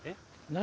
何？